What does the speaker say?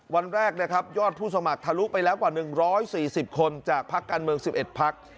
วันแรกยอดผู้สมัครทะลุไปแล้วกว่า๑๔๐คนจากภักดิ์การเมือง๑๑ภักดิ์